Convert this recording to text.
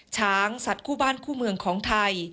ช้างสัตว์คู่บ้านคู่เมืองของไทย